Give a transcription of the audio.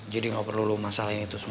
jadi tidak perlu masalah ini tersenyum